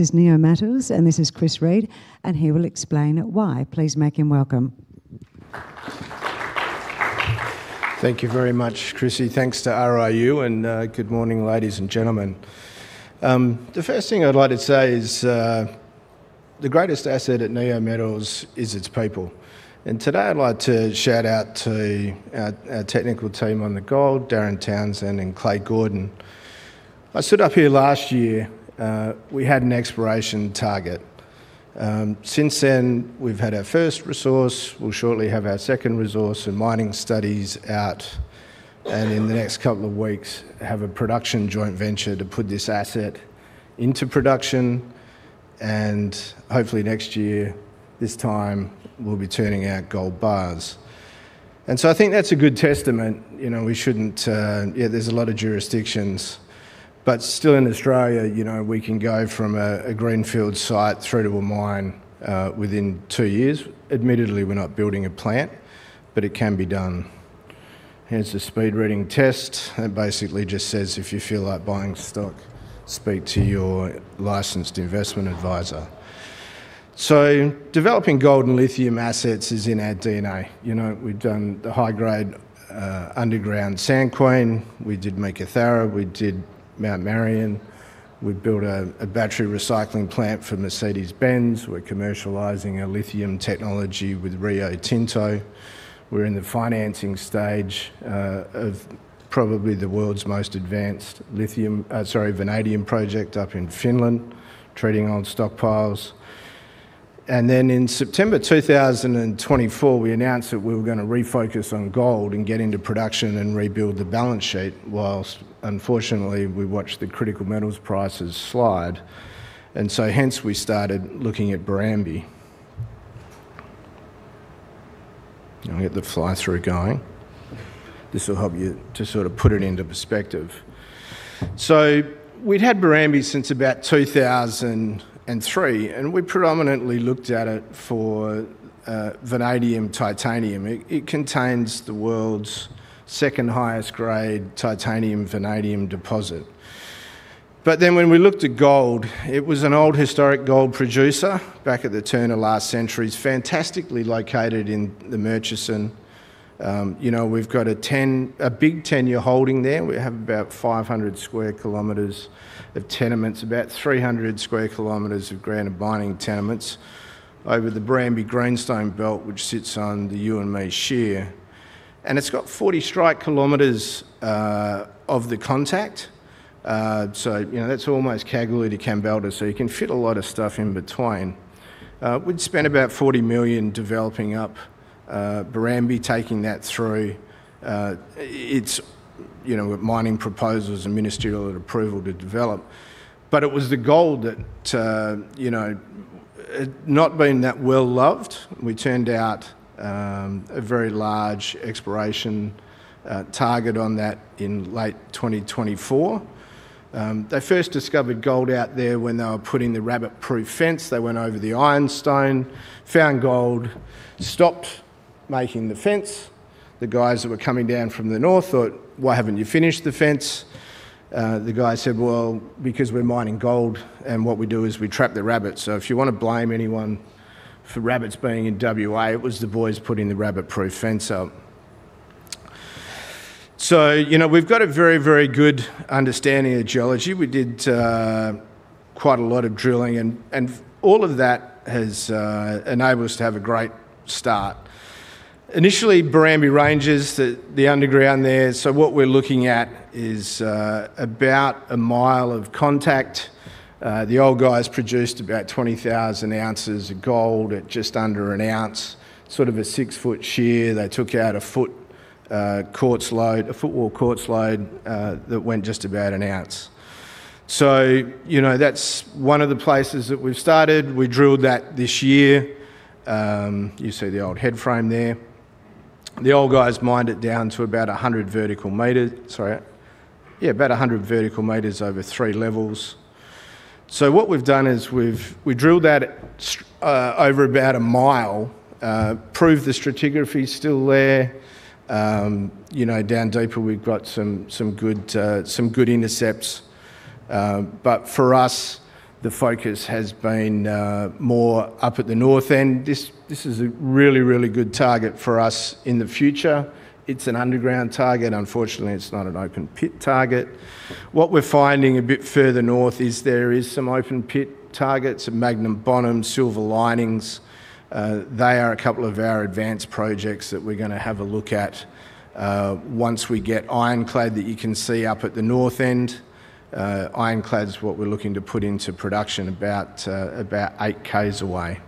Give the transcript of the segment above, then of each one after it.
This is Neometals, and this is Chris Reed, and he will explain why. Please make him welcome. Thank you very much, Chrissy. Thanks to RIU, and good morning, ladies and gentlemen. The first thing I'd like to say is, the greatest asset at Neometals is its people, and today I'd like to shout out to our technical team on the gold, Darren Townsend and Clay Gordon. I stood up here last year, we had an exploration target. Since then, we've had our first resource, we'll shortly have our second resource and mining studies out, and in the next couple of weeks, have a production joint venture to put this asset into production, and hopefully next year, this time, we'll be turning out gold bars. And so I think that's a good testament. You know, we shouldn't... Yeah, there's a lot of jurisdictions, but still in Australia, you know, we can go from a greenfield site through to a mine within two years. Admittedly, we're not building a plant, but it can be done. Here's the speed reading test. It basically just says, "If you feel like buying stock, speak to your licensed investment advisor." So developing gold and lithium assets is in our DNA. You know, we've done the high-grade underground Sand Queen, we did Macarthur, we did Mount Marion. We've built a battery recycling plant for Mercedes-Benz. We're commercializing our lithium technology with Rio Tinto. We're in the financing stage of probably the world's most advanced lithium, sorry, vanadium project up in Finland, trading on stockpiles. Then in September 2024, we announced that we were gonna refocus on gold and get into production and rebuild the balance sheet, while unfortunately, we watched the critical metals prices slide. So hence, we started looking at Barrambie. I'll get the fly-through going. This will help you to sort of put it into perspective. So we'd had Barrambie since about 2003, and we predominantly looked at it for vanadium, titanium. It contains the world's second highest grade titanium, vanadium deposit. But then, when we looked at gold, it was an old historic gold producer back at the turn of last century. It's fantastically located in the Murchison. You know, we've got a big tenure holding there. We have about 500 square kilometers of tenements, about 300 square kilometers of granted mining tenements over the Barrambie Greenstone Belt, which sits on the Youanmi Shear, and it's got 40 strike kilometers of the contact. So you know, that's almost Kalgoorlie to Kambalda, so you can fit a lot of stuff in between. We'd spent about 40 million developing up Barrambie, taking that through its you know, mining proposals and ministerial approval to develop. But it was the gold that you know, it not been that well-loved. We turned out a very large exploration target on that in late 2024. They first discovered gold out there when they were putting the Rabbit-Proof Fence. They went over the ironstone, found gold, stopped making the fence. The guys that were coming down from the north thought, "Why haven't you finished the fence?" The guy said, "Well, because we're mining gold, and what we do is we trap the rabbits." So if you wanna blame anyone for rabbits being in WA, it was the boys putting the Rabbit-Proof Fence up. So you know, we've got a very, very good understanding of geology. We did quite a lot of drilling and all of that has enabled us to have a great start. Initially, Barrambie ranges the underground there, so what we're looking at is about a mile of contact. The old guys produced about 20,000 ounces of gold at just under an ounce, sort of a 6-foot shear. They took out a foot quartz load, a footwall quartz load that went just about an ounce. So you know, that's one of the places that we've started. We drilled that this year. You see the old headframe there. The old guys mined it down to about 100 vertical meters. Sorry, yeah, about 100 vertical meters over three levels. So what we've done is we've drilled that over about a mile, proved the stratigraphy is still there. You know, down deeper, we've got some good intercepts, but for us, the focus has been more up at the north end. This is a really, really good target for us in the future. It's an underground target. Unfortunately, it's not an open-pit target. What we're finding a bit further north is there is some open-pit targets, some Magnum Bonum, Silver Linings. They are a couple of our advanced projects that we're gonna have a look at, once we get Ironclad, that you can see up at the north end. Ironclad is what we're looking to put into production about, about 8 Ks away.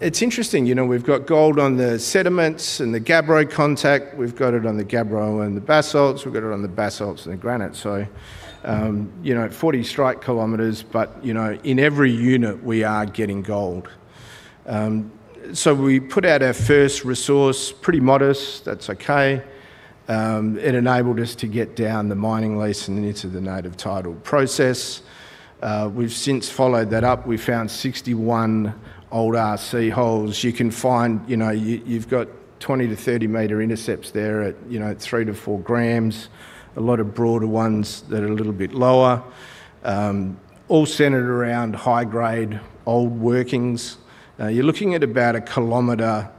It's interesting, you know, we've got gold on the sediments and the gabbro contact. We've got it on the gabbro and the basalts. We've got it on the basalts and the granite. So, you know, 40 strike kilometers, but, you know, in every unit, we are getting gold. So we put out our first resource, pretty modest. That's okay. It enabled us to get down the mining lease and into the Native Title process. We've since followed that up. We found 61 old RC holes. You can find, you know, you, you've got 20- to 30-meter intercepts there at, you know, at 3- to 4 grams. A lot of broader ones that are a little bit lower, all centered around high-grade old workings. You're looking at about a kilometer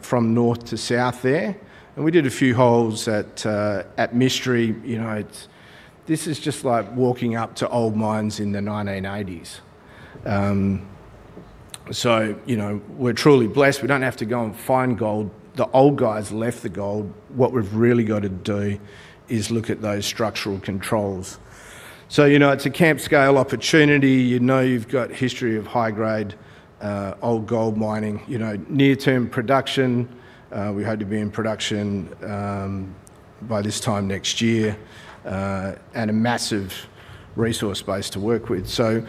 from north to south there, and we did a few holes at Mystery. You know, it's this is just like walking up to old mines in the 1980s. So, you know, we're truly blessed. We don't have to go and find gold. The old guys left the gold. What we've really got to do is look at those structural controls. So, you know, it's a camp scale opportunity. You know, you've got history of high-grade old gold mining, you know, near-term production. We had to be in production by this time next year and a massive resource base to work with. So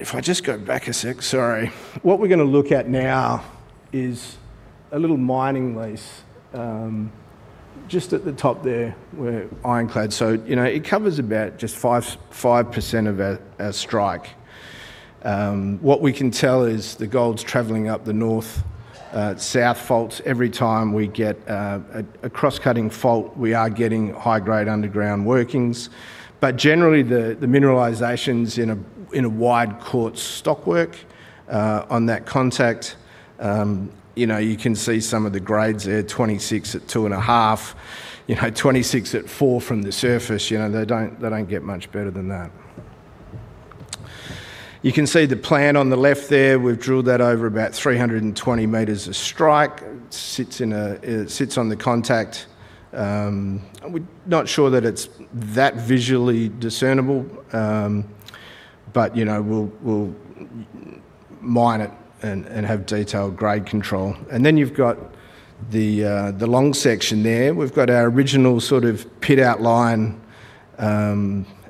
if I just go back a sec, sorry. What we're gonna look at now is a little mining lease just at the top there where Ironclad. So, you know, it covers about just 5.5% of our strike. What we can tell is the gold's traveling up the north-south fault. Every time we get a cross-cutting fault, we are getting high-grade underground workings. But generally, the mineralization's in a wide quartz stockwork on that contact. You know, you can see some of the grades there, 26 at 2.5, you know, 26 at 4 from the surface. You know, they don't get much better than that. You can see the plan on the left there. We've drilled that over about 320 meters of strike. Sits in a, it sits on the contact, we're not sure that it's that visually discernible, but, you know, we'll mine it and have detailed grade control. And then you've got the long section there. We've got our original sort of pit outline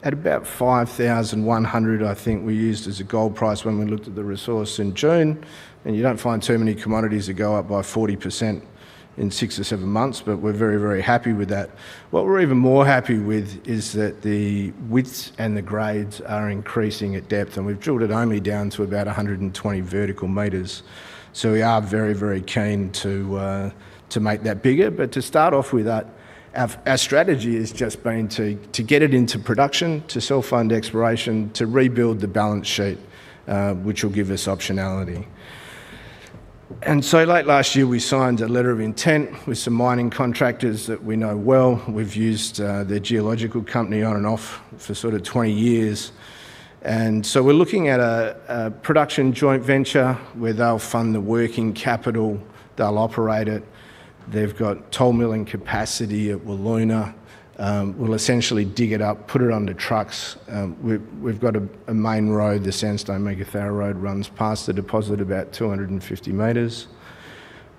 at about $5,100, I think we used as a gold price when we looked at the resource in June. And you don't find too many commodities that go up by 40% in six or seven months, but we're very, very happy with that. What we're even more happy with is that the widths and the grades are increasing at depth, and we've drilled it only down to about 120 vertical meters. So we are very, very keen to make that bigger. But to start off with that, our strategy has just been to get it into production, to self-fund exploration, to rebuild the balance sheet, which will give us optionality. And so late last year, we signed a letter of intent with some mining contractors that we know well. We've used their geological company on and off for sort of 20 years. And so we're looking at a production joint venture, where they'll fund the working capital, they'll operate it. They've got toll milling capacity at Wiluna. We'll essentially dig it up, put it onto trucks. We've got a main road, the Sandstone-Meekatharra Road runs past the deposit about 250 meters.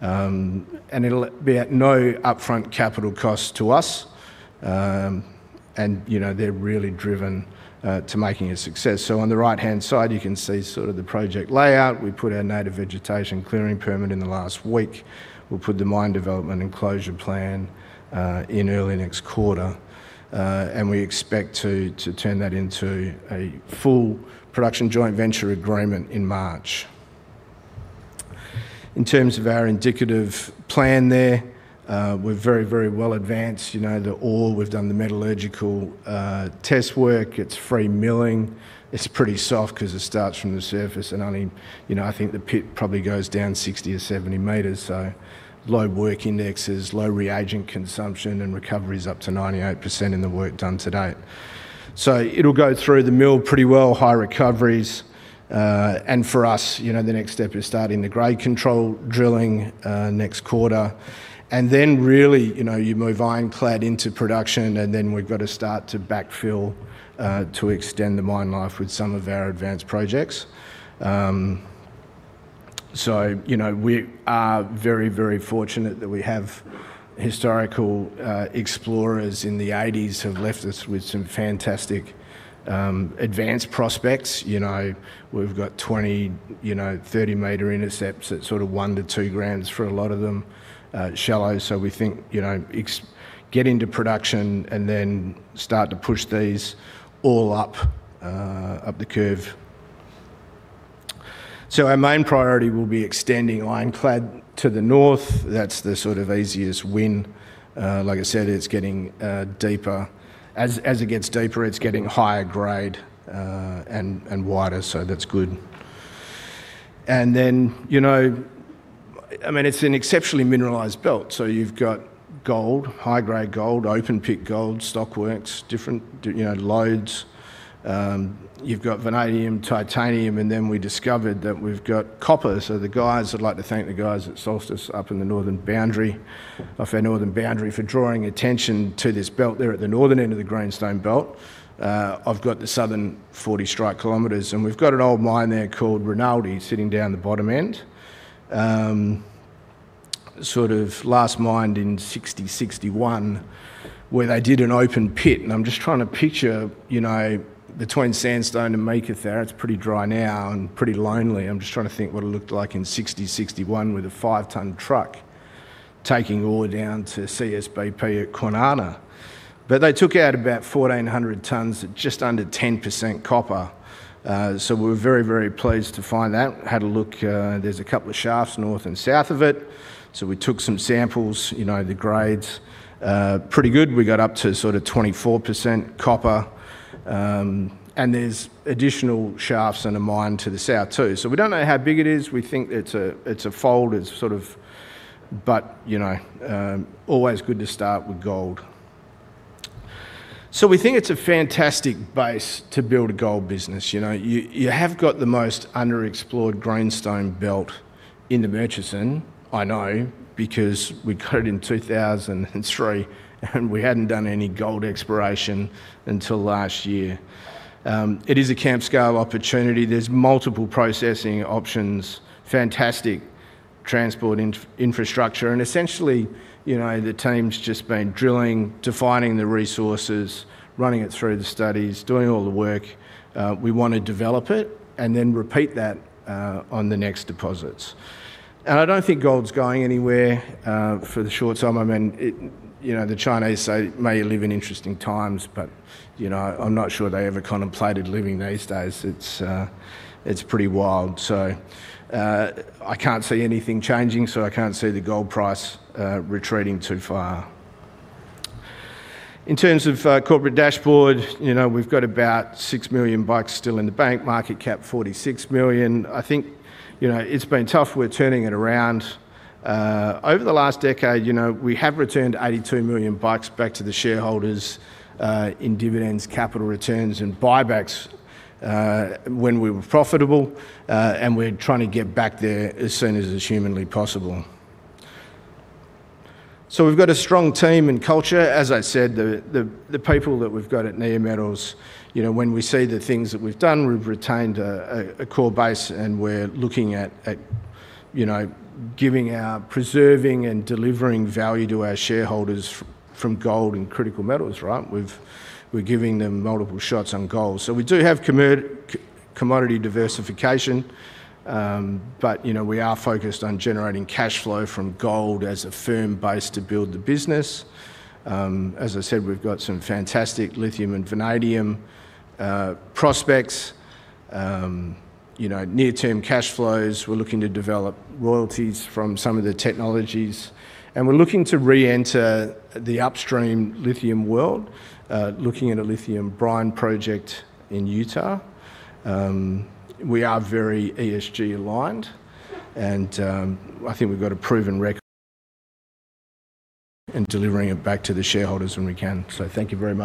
And it'll be at no upfront capital cost to us. And, you know, they're really driven to making a success. So on the right-hand side, you can see sort of the project layout. We put our native vegetation clearing permit in the last week. We'll put the mine development and closure plan in early next quarter, and we expect to turn that into a full production joint venture agreement in March. In terms of our indicative plan there, we're very, very well advanced. You know, the ore, we've done the metallurgical test work. It's free milling. It's pretty soft 'cause it starts from the surface, and I mean, you know, I think the pit probably goes down 60 or 70 meters. So low work indexes, low reagent consumption, and recovery is up to 98% in the work done to date. So it'll go through the mill pretty well, high recoveries, and for us, you know, the next step is starting the grade control drilling, next quarter. And then really, you know, you move Ironclad into production, and then we've got to start to backfill, to extend the mine life with some of our advanced projects. So, you know, we are very, very fortunate that we have historical explorers in the 1980s who've left us with some fantastic advanced prospects. You know, we've got 20, you know, 30-meter intercepts at sort of 1-2 grams for a lot of them, shallow. So we think, you know, get into production and then start to push these all up, up the curve. So our main priority will be extending Ironclad to the north. That's the sort of easiest win. Like I said, it's getting deeper. As it gets deeper, it's getting higher grade and wider, so that's good. And then, you know, I mean, it's an exceptionally mineralized belt, so you've got gold, high-grade gold, open pit gold, stockworks, different, you know, lodes. You've got vanadium, titanium, and then we discovered that we've got copper. So the guys, I'd like to thank the guys at Solstice up in the northern boundary of our northern boundary, for drawing attention to this belt there at the northern end of the greenstone belt. I've got the southern 40 strike kilometers, and we've got an old mine there called Rinaldi, sitting down the bottom end. Sort of last mined in 1960, 1961, where they did an open pit. I'm just trying to picture, you know, between Sandstone and Meekatharra, it's pretty dry now and pretty lonely. I'm just trying to think what it looked like in 1960, 1961 with a 5-ton truck taking ore down to CSBP at Kwinana. But they took out about 1,400 tons at just under 10% copper. So we're very, very pleased to find that. Had a look, there's a couple of shafts north and south of it, so we took some samples, you know, the grade's pretty good. We got up to sort of 24% copper, and there's additional shafts and a mine to the south, too. So we don't know how big it is. We think it's a, it's a fold, it's sort of... But, you know, always good to start with gold.... So we think it's a fantastic base to build a gold business. You know, you, you have got the most underexplored greenstone belt in the Murchison. I know, because we got it in 2003, and we hadn't done any gold exploration until last year. It is a camp-scale opportunity. There's multiple processing options, fantastic transport infrastructure, and essentially, you know, the team's just been drilling, defining the resources, running it through the studies, doing all the work. We want to develop it and then repeat that on the next deposits. I don't think gold's going anywhere for the short term. I mean, it, you know, the Chinese say, "May you live in interesting times," but, you know, I'm not sure they ever contemplated living these days. It's, it's pretty wild. So, I can't see anything changing, so I can't see the gold price retreating too far. In terms of corporate dashboard, you know, we've got about 6 million bucks still in the bank, market cap 46 million. I think, you know, it's been tough. We're turning it around. Over the last decade, you know, we have returned 82 million bucks back to the shareholders in dividends, capital returns, and buybacks when we were profitable, and we're trying to get back there as soon as is humanly possible. So we've got a strong team and culture. As I said, the people that we've got at Neometals, you know, when we see the things that we've done, we've retained a core base, and we're looking at, you know, giving our... Preserving and delivering value to our shareholders from gold and critical metals, right? We're giving them multiple shots on gold. So we do have commodity diversification, but, you know, we are focused on generating cash flow from gold as a firm base to build the business. As I said, we've got some fantastic lithium and vanadium prospects. You know, near-term cash flows, we're looking to develop royalties from some of the technologies, and we're looking to re-enter the upstream lithium world, looking at a lithium brine project in Utah. We are very ESG aligned, and I think we've got a proven record and delivering it back to the shareholders when we can. So thank you very much.